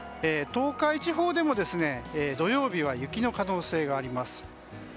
東海地方でも土曜日は雪の可能性があります。